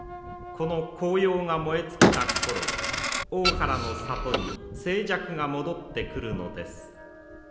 この紅葉が燃え尽きた頃大原の里に静寂が戻ってくるのです。